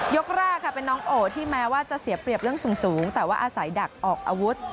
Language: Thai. แรกค่ะเป็นน้องโอที่แม้ว่าจะเสียเปรียบเรื่องสูงแต่ว่าอาศัยดักออกอาวุธ